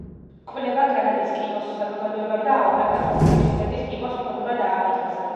კვლევა კანადის კიბოს საზოგადოებამ და ალბერტას უნივერსიტეტის კიბოს ფონდმა დააფინანსა.